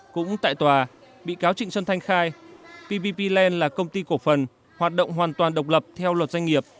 cũng tại tòa bị cáo trịnh xuân thanh khai ppp land là công ty cổ phần hoạt động hoàn toàn độc lập theo luật doanh nghiệp